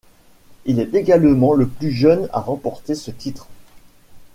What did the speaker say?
Il est également le plus jeune à remporter ce titre.